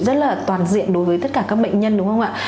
rất là toàn diện đối với tất cả các bệnh nhân đúng không ạ